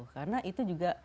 karena itu juga